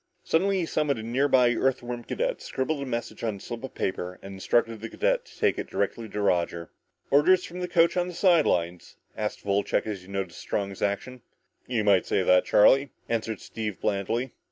Suddenly he summoned a near by Earthworm cadet, scribbled a message on a slip of paper and instructed the cadet to take it directly to Roger. "Orders from the coach on the side lines?" asked Wolcheck as he noticed Strong's action. "You might call it that, Charlie," answered Steve blandly.